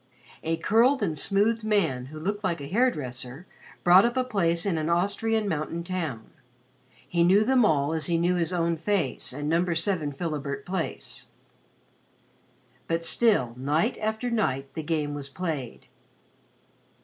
A curled and smoothed man who looked like a hair dresser brought up a place in an Austrian mountain town. He knew them all as he knew his own face and No. 7 Philibert Place. But still night after night the game was played.